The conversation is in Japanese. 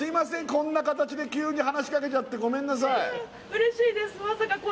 こんな形で急に話しかけちゃってごめんなさい嬉しいです